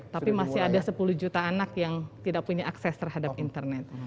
tapi masih ada sepuluh juta anak yang tidak punya akses terhadap internet